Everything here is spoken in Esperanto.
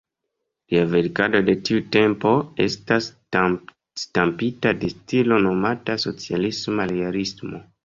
Lia verkado de tiu tempo estas stampita de stilo nomata socialisma realismo.